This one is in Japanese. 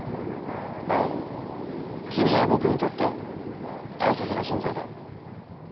アエン君は僕にとって大切な存在だよ。